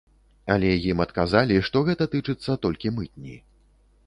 Але ім адказалі, што гэта тычыцца толькі мытні.